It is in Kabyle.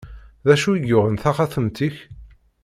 D acu i yuɣen taxatemt-ik?